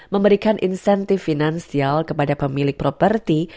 memberikan insentif finansial kepada pemilik properti